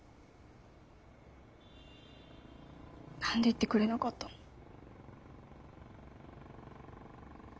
何で言ってくれなかったの？